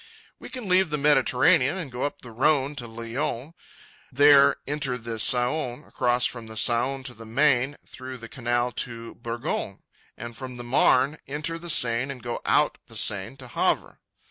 We can leave the Mediterranean and go up the Rhône to Lyons, there enter the Saône, cross from the Saône to the Maine through the Canal de Bourgogne, and from the Marne enter the Seine and go out the Seine at Havre.